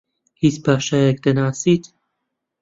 هیچ پاشایەک دەناسیت؟